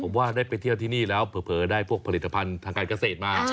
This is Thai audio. ผมว่าได้ไปเที่ยวที่นี่แล้วเผลอได้พวกผลิตภัณฑ์ทางการเกษตรมา